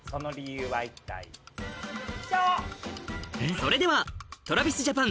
それでは「ＴｒａｖｉｓＪａｐａｎ」